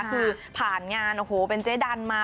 คือผ่านงานโอ้โหเป็นเจ๊ดันมา